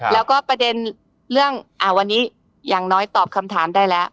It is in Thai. แล้วก็ประเด็นเรื่องวันนี้อย่างน้อยตอบคำถามได้แล้ว